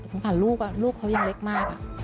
สารลูกลูกเขายังเล็กมาก